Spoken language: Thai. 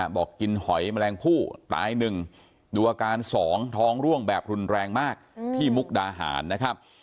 บอกกินหอยแมลงผู้ตาย๑ดูอาการ๒ท้องร่วงแบบรุนแรงมากที่มุกดาหารนะครับ